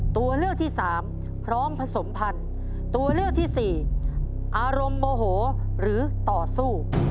ตัวเลือกที่สามพร้อมผสมพันธุ์ตัวเลือกที่สี่อารมณ์โมโหหรือต่อสู้